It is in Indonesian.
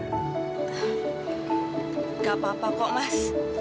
tidak apa apa kok mas